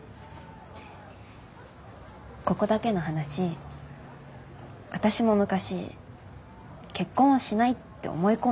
ここだけの話私も昔結婚はしないって思い込んでたの。